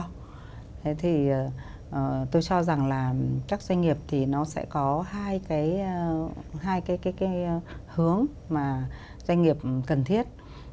thế thì tôi cho rằng là các doanh nghiệp thì nó sẽ có hai cái hướng mà doanh nghiệp cần thiết